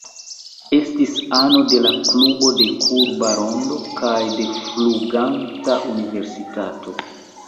Estis ano de la Klubo de Kurba Rondo kaj de Fluganta Universitato.